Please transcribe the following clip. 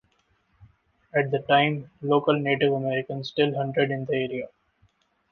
At the time, local Native Americans still hunted in the area.